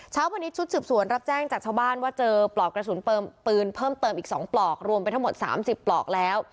เช้าวันนี้ชุดสืบสวนรับแจ้งจากชาวบ้านว่าเจอปลอกกระสุนปืนเพิ่มเติมอีก๒ปลอกรวมไปทั้งหมด๓๐ปลอกแล้ว